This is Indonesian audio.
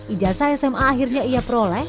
ijazah sma akhirnya ia peroleh